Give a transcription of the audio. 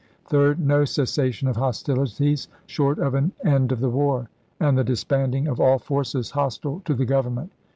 Third. No cessation of hostilities short of an end of the war, and the disbanding of all forces hostile to the Government.